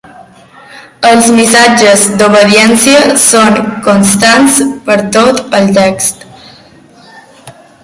Els missatges d'obediència són constants per tot el text.